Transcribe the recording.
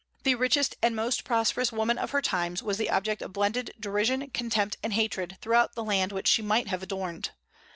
The richest and most prosperous woman of her times was the object of blended derision, contempt, and hatred throughout the land which she might have adorned.